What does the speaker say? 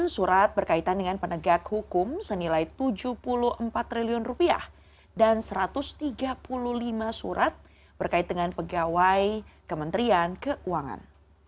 sembilan surat berkaitan dengan penegak hukum senilai rp tujuh puluh empat triliun dan satu ratus tiga puluh lima surat berkait dengan pegawai kementerian keuangan